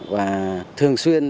và thường xuyên